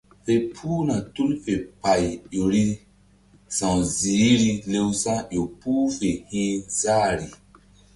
Fe puhna tul fe pay ƴo ri sa̧w ziihri lewsa̧ ƴo puh fe hi̧ záhri.